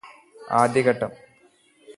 ആദ്യ ഘട്ടം